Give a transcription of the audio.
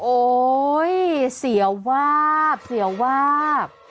โอ๊ยเสียวาบเสียวาบ